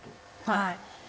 はい。